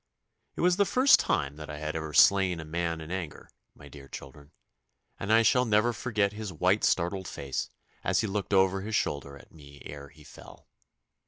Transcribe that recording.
It was the first time that I had ever slain a man in anger, my dear children, and I shall never forget his white startled face as he looked over his shoulder at me ere he fell.